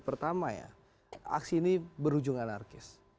pertama ya aksi ini berujung anarkis